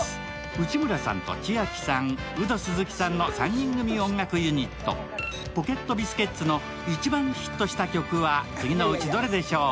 内村さんと千秋さん、ウド鈴木さんの３人組音楽ユニット、ポケットビスケッツの一番ヒットした曲は次のうちどれでしょう。